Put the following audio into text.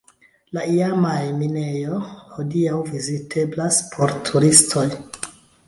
La iama minejo hodiaŭ viziteblas por turistoj.